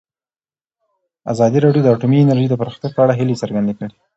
ازادي راډیو د اټومي انرژي د پرمختګ په اړه هیله څرګنده کړې.